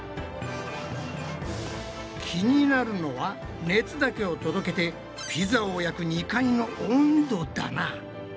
気になるのは熱だけを届けてピザを焼く２階の温度だな。